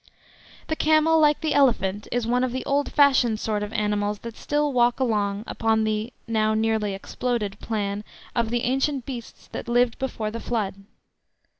The camel, like the elephant, is one of the old fashioned sort of animals that still walk along upon the (now nearly exploded) plan of the ancient beasts that lived before the Flood.